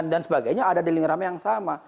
dan sebagainya ada di lingkaran yang sama